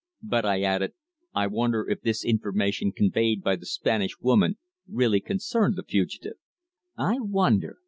But," I added, "I wonder if this information conveyed by the Spanish woman really concerned the fugitive?" "I wonder.